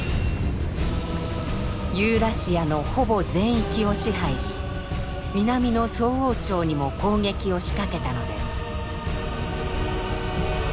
ユーラシアのほぼ全域を支配し南の宋王朝にも攻撃を仕掛けたのです。